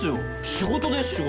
仕事です仕事！